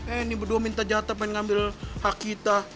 eh ini berdua minta jatah pengen ngambil hak kita